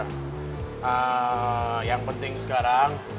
eee yang penting sekarang